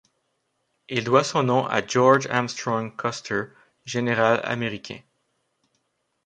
Il doit son nom à George Armstrong Custer, général américain.